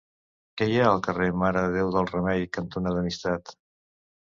Què hi ha al carrer Mare de Déu del Remei cantonada Amistat?